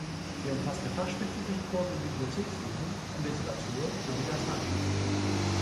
Sie umfasste fachspezifische Kurse in Bibliothekswesen und Literatur sowie Latein.